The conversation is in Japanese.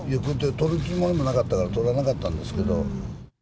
取るつもりもなかったから取らなかったんですけど。